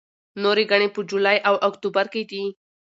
نورې ګڼې په جولای او اکتوبر کې دي.